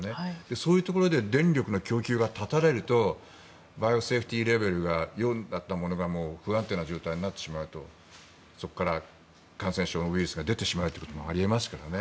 そういうところで電力の供給が断たれるとバイオセーフティーレベルが４だったものが不安定な状態になってしまうとそこから感染症、ウイルスが出てしまうということもありますからね。